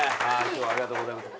今日はありがとうございます。